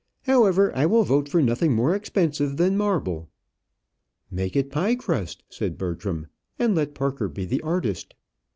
However, I will vote for nothing more expensive than marble." "Make it in pie crust," said Bertram, "and let Parker be the artist."